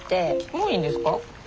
もういいんですか？